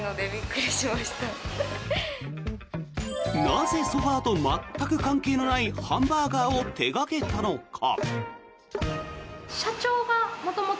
なぜソファと全く関係のないハンバーガーを手掛けたのか。